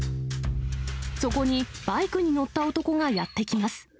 そこにバイクに乗った男がやって来ます。